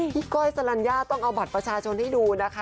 ก้อยสลัญญาต้องเอาบัตรประชาชนให้ดูนะคะ